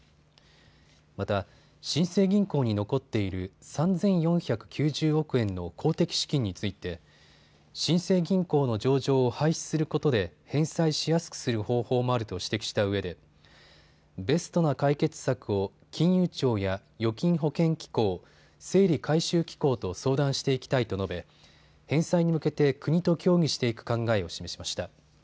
また新生銀行に残っている３４９０億円の公的資金について新生銀行の上場を廃止することで返済しやすくする方法もあると指摘したうえでベストな解決策を金融庁や預金保険機構、整理回収機構と相談していきたいと述べ返済に向けて国と協議していく考えを示しました。